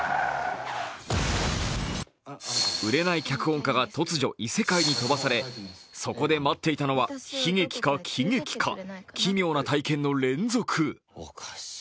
売れない脚本家が突如、異世界に飛ばされそこで待っていたのは悲劇か喜劇か、奇妙な体験の連続。